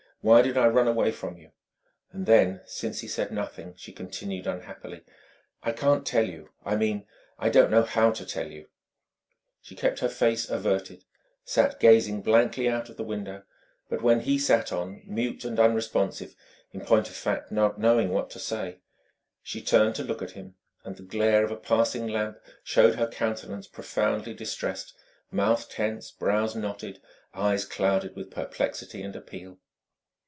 Why did I run away from you?" And then, since he said nothing, she continued unhappily: "I can't tell you... I mean, I don't know how to tell you!" She kept her face averted, sat gazing blankly out of the window; but when he sat on, mute and unresponsive in point of fact not knowing what to say she turned to look at him, and the glare of a passing lamp showed her countenance profoundly distressed, mouth tense, brows knotted, eyes clouded with perplexity and appeal.